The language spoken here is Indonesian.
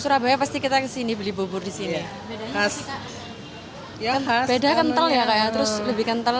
surabaya pasti kita kesini beli bubur di sini beda khas beda kental ya kayak terus lebih kental